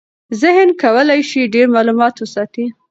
ذهن کولی شي ډېر معلومات وساتي.